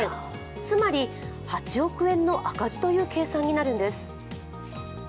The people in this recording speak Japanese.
つまり、８億円の赤字という計算になるんです。